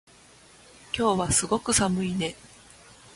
今日はすごく寒いね